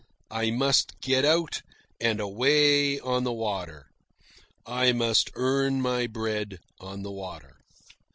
I must get out and away on the water. I must earn my bread on the water.